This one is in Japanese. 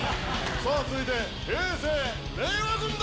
さあ、続いて、平成・令和軍団。